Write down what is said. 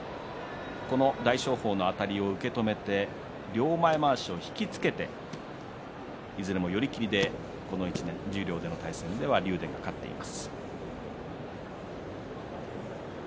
大翔鵬のあたりを受け止めて両前まわし引き付けていずれも寄り切りでこの１年、十両の対戦で竜電が勝っています。